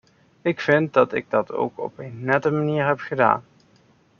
Ik vind dat ik dat ook op een nette manier heb gedaan.